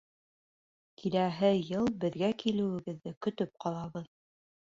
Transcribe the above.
Киләһе йыл беҙгә килеүегеҙҙе көтөп ҡалабыҙ